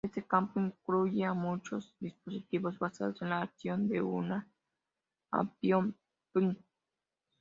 Este campo incluye a muchos dispositivos basados en la acción de una unión pn.